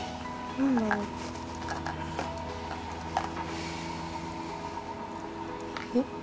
なんだろう？えっ。